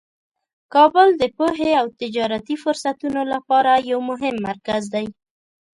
کابل د پوهې او تجارتي فرصتونو لپاره یو مهم مرکز دی.